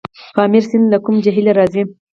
پامیر سیند له کوم جهیل راځي؟